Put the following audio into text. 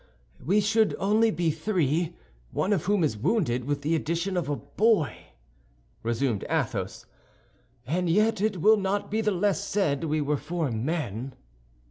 "We should only be three, one of whom is wounded, with the addition of a boy," resumed Athos; "and yet it will not be the less said we were four men."